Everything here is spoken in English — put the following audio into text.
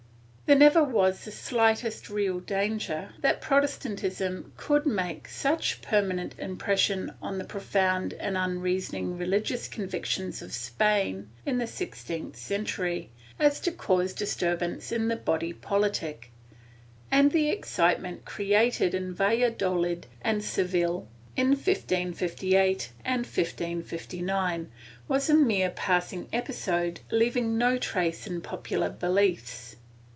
There never was the slightest real danger that Protestantism could make such permanent impression on the profound and unrea soning religious convictions of Spain in the sixteenth century, as to cause disturbance in the body politic; and the excitement created in Valladolid and Seville, in 1558 and 1559, was a mere passing episode leaving no trace in popular beliefs.